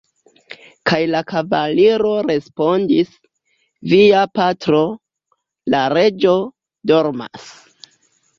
Kaj la kavaliro respondis: "Via patro, la reĝo, dormas.